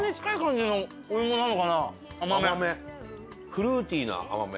フルーティーな甘め。